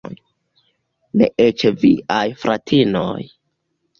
Ne eĉ viaj fratinoj.